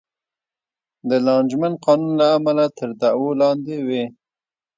د لانجمن قانون له امله تر دعوو لاندې وې.